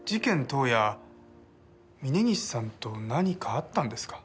当夜峰岸さんと何かあったんですか？